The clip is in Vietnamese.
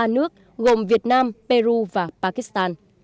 ba nước gồm việt nam peru và pakistan